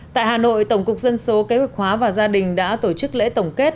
tại hà nội tổng cục dân số kế hoạch hóa và gia đình đã tổ chức lễ tổng kết